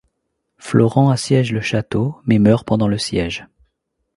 Florent assiège le château, mais meurt pendant le siège.